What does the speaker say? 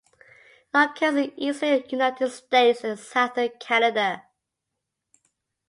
It occurs in the eastern United States and southern Canada.